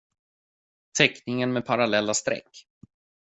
Teckningen med parallella streck.